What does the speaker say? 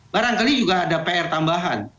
barangkali juga ada pr tambahan